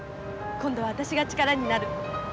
今度は私が力になる。